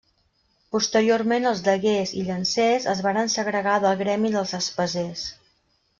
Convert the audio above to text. Posteriorment els daguers i llancers es varen segregar del gremi dels espasers.